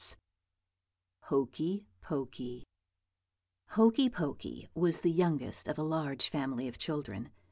_" HOKEY POKEY Hokey Pokey was the youngest of a large family of children.